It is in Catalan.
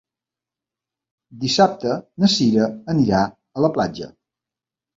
Dissabte na Cira anirà a la platja.